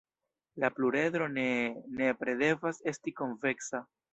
La pluredro ne nepre devas esti konveksa.